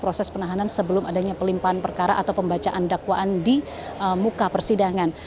proses penahanan sebelum adanya pelimpahan perkara atau pembacaan dakwaan di muka persidangan